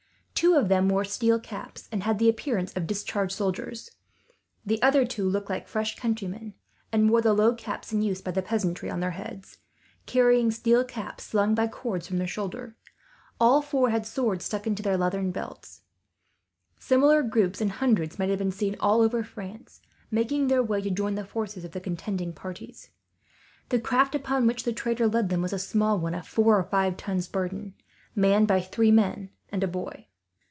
Two of them wore steel caps, and had the appearance of discharged soldiers. The other two looked like fresh countrymen, and wore the low caps in use by the peasantry on their heads, carrying steel caps slung by cords from their shoulder. All four had swords stuck into their leathern belts. Similar groups might have been seen in hundreds, all over France, making their way to join the forces of the contending parties. [Illustration: Philip and his followers embarking.] The craft upon which the trader led them was a small one, of four or five tons burden, manned by three men and a boy.